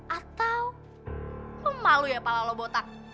atau lo malu ya kepala lo botak